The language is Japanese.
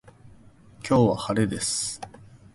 今日は晴れです。